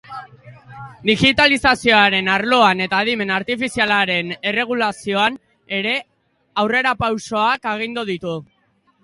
Digitalizazioaren arloan eta adimen artifizialaren erregulazioan ere aurrerapausoak agindu ditu.